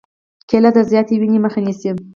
کېله د زیاتې وینې مخه نیسي.